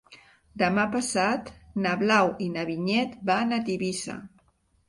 Demà passat na Blau i na Vinyet van a Tivissa.